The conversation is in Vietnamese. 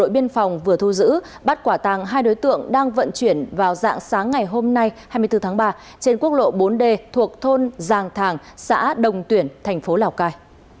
đội biên phòng vừa thu giữ bắt quả tàng hai đối tượng đang vận chuyển vào dạng sáng ngày hôm nay hai mươi bốn tháng ba trên quốc lộ bốn d thuộc thôn giàng thàng xã đồng tuyển thành phố lào cai